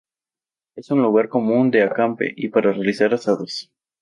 Es un lugar común de acampe y para realizar asados.